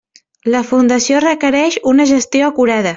La fundació requereix una gestió acurada.